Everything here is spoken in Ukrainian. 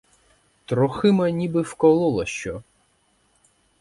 Трохима ніби вкололо що.